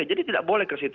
jadi tidak boleh ke situ